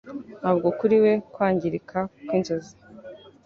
Ntabwo kuri we kwangirika kwinzozi